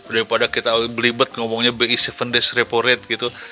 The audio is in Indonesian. daripada kita belibet ngomongnya bi tujuh days repo rate gitu